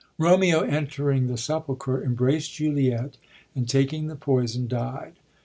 Romeo, entering the sepulchre, embraced Juliet, and, taking the poison, died.